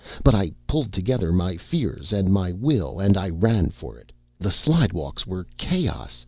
But I pulled together my fears and my will and I ran for it. The slidewalks were chaos.